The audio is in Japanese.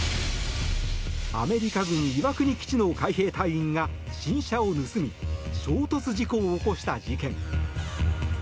アメリカ軍岩国基地の海兵隊員が新車を盗み衝突事故を起こした事件。